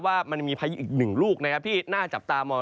ว่ามันมีพายุอีกหนึ่งลูกนะครับที่น่าจับตามอง